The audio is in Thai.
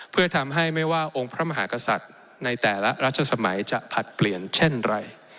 เพื่อทำให้ไม่ว่าองค์พระมหากษัตริย์ในแต่ละรัชสมัยจะผลัดเปลี่ยนเช่นไร